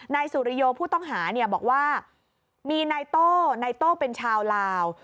นายสุริโยผู้ต้องหาเนี่ยบอกว่ามีนายโต้นายโต้เป็นชาวลาว